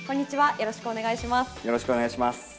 よろしくお願いします。